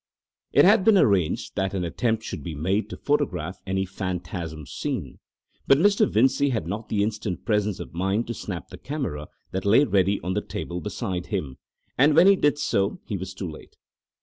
It had been arranged that an attempt should be made to photograph any phantasm seen, but Mr. Vincey had not the instant presence of mind to snap the camera that lay ready on the table beside him, and when he did so he was too late.